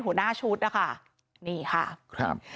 หัวหน้าชุดนะคะนี่ค่ะครับ